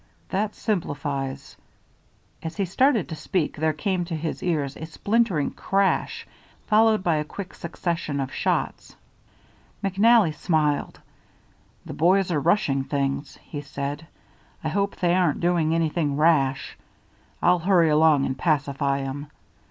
"That simplifies " As he started to speak there came to his ears a splintering crash followed by a quick succession of shots. McNally smiled. "The boys are rushing things," he said. "I hope they aren't doing anything rash. I'll hurry along and pacify 'em.